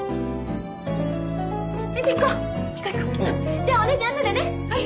じゃお姉ちゃん後でね！